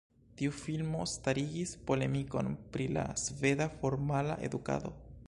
Tiu filmo starigis polemikon pri la sveda formala edukado.